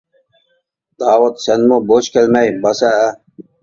-داۋۇت سەنمۇ بوش كەلمەي باسا ھە!